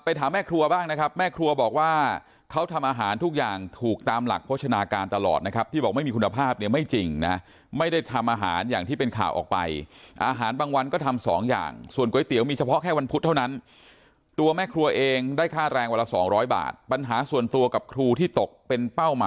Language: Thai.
ถามแม่ครัวบ้างนะครับแม่ครัวบอกว่าเขาทำอาหารทุกอย่างถูกตามหลักโภชนาการตลอดนะครับที่บอกไม่มีคุณภาพเนี่ยไม่จริงนะไม่ได้ทำอาหารอย่างที่เป็นข่าวออกไปอาหารบางวันก็ทำสองอย่างส่วนก๋วยเตี๋ยวมีเฉพาะแค่วันพุธเท่านั้นตัวแม่ครัวเองได้ค่าแรงวันละสองร้อยบาทปัญหาส่วนตัวกับครูที่ตกเป็นเป้าหมาย